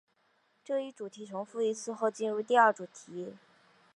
这一主题重复一次后进入第二主题。